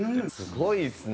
すごいですね。